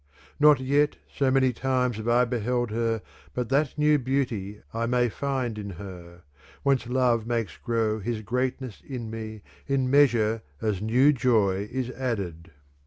Not yet so many times have I beheld her But that new beauty I may find in her ; whence love makes grow his greatness in me in measure as new joy is added.